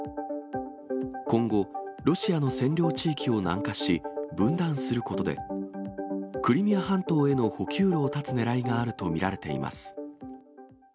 今後、ロシアの占領地域を南下し、分断することで、クリミア半島への補給路を断つねらいがあると見られています。